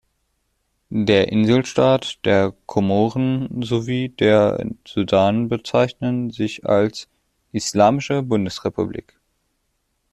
Der Inselstaat der Komoren sowie der Sudan bezeichnen sich als "Islamische Bundesrepublik".